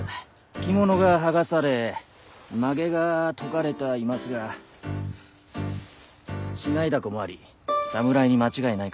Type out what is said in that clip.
着物が剥がされまげが解かれてはいますが竹刀だこもあり侍に間違いないかと。